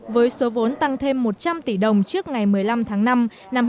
với số vốn tăng thêm một trăm linh tỷ đồng trước ngày một mươi năm tháng năm năm hai nghìn hai mươi